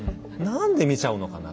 何で見ちゃうのかな。